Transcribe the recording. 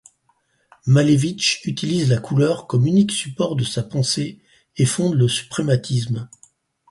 Malévitch utilise la couleur comme unique support de sa pensée et fonde le suprématisme.